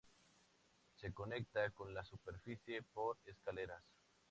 Se conecta con la superficie por escaleras.